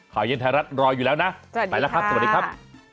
ข่าวเย็นไทยรัฐรออยู่แล้วนะไปแล้วครับสวัสดีครับ